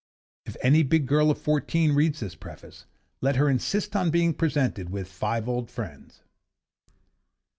If any big girl of fourteen reads this preface, let her insist on being presented with 'Five Old Friends.